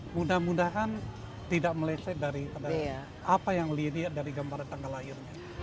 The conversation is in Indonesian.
mudah mudahan tidak meleset dari apa yang lirik dari gambar tanggal lahir